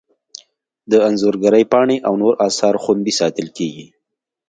د انځورګرۍ پاڼې او نور اثار خوندي ساتل کیږي.